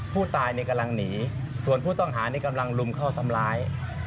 ผู้ตายกำลังหนีส่วนผู้ต้องหานี่กำลังลุมเข้าทำร้าย